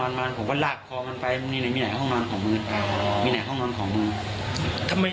อยากเห็นครับเพราะว่ามันโผล่โหกผมมันอยู่ข้างนอกมันอยู่กับข่ายผมแบบนู้นอย่างนี้